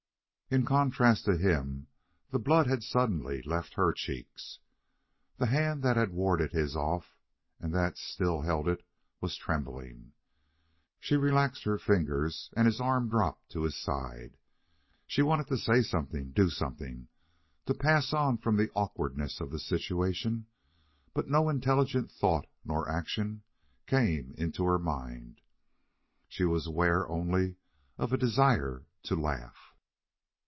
In contrast to him, the blood had suddenly left her cheeks. The hand that had warded his hand off and that still held it, was trembling. She relaxed her fingers, and his arm dropped to his side. She wanted to say something, do something, to pass on from the awkwardness of the situation, but no intelligent thought nor action came into her mind. She was aware only of a desire to laugh.